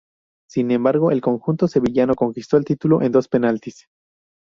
Sin embargo, el conjunto sevillano conquistó el título en los penaltis.